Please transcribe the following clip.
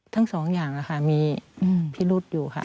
ทั้งสองอย่างนะคะมีพิรุษอยู่ค่ะ